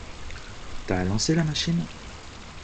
T'as lancé la machine?